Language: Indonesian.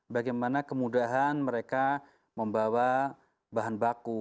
bagaimana kemudahan mereka membawa bahan baku